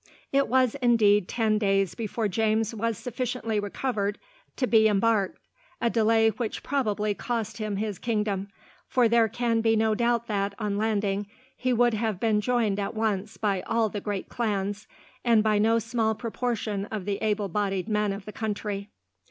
It was, indeed, ten days before James was sufficiently recovered to be embarked a delay which probably cost him his kingdom, for there can be no doubt that, on landing, he would have been joined at once by all the great clans, and by no small proportion of the able bodied men of the country.